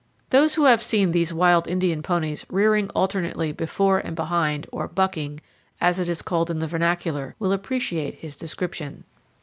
Those who have seen these wild Indian ponies rearing alternately before and behind, or "bucking," as it is called in the vernacular, will appreciate his description.